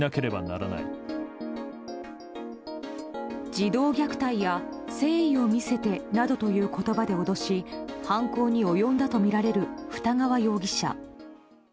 児童虐待や、誠意を見せてなどという言葉で脅し犯行に及んだとみられる二川容疑者。